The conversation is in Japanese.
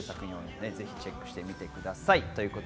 チェックしてみてください。